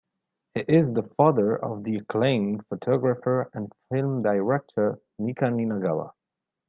He is the father of the acclaimed photographer and film director Mika Ninagawa.